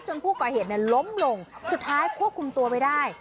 ผู้ก่อเหตุล้มลงสุดท้ายควบคุมตัวไว้ได้